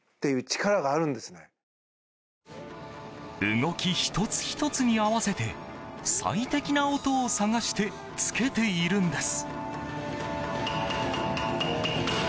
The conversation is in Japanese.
動き１つ１つに合わせて最適な音を探してつけているんです。